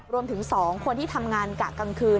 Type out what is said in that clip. รวมถึง๒คนที่ทำงานกะกลางคืน